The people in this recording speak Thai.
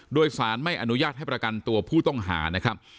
โดยสารไม่อนุญาตให้ประกันตัวผู้ต้องหานะครับ